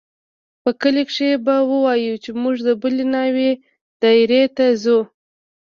په کلي کښې به ووايو چې موږ د بلې ناوې دايرې ته ځو.